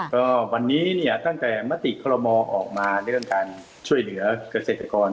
ก็วันนี้เนี่ยตั้งแต่มติคอลโมออกมาในเรื่องการช่วยเหลือเกษตรกร